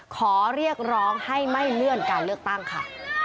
ขอเรียกร้องให้ไม่เลื่อนการเลือกตั้งค่ะ